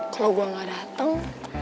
kalo gue gak dateng